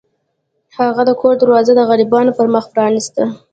هغه د کور دروازه د غریبانو پر مخ پرانیسته.